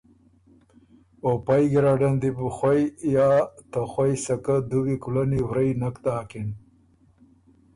او پئ ګیرډن دی بو خوئ یا ته خوئ سَکَۀ دُوی کلنی ورئ نک داکِن۔